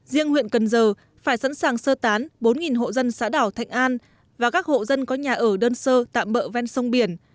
riêng huyện cần giờ phải sẵn sàng sơ tán bốn hộ dân xã đảo thạnh an và các hộ dân có nhà ở đơn sơ tạm bỡ ven sông biển